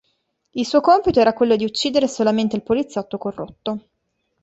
Il suo compito era quello di uccidere solamente il poliziotto corrotto.